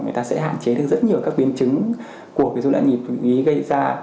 người ta sẽ hạn chế được rất nhiều các biến chứng của cái dối lại nhịp gây ra